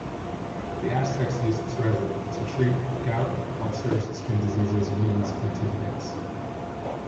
The Aztecs used its resin to treat gout, ulcers, skin diseases, wounds, and toothaches.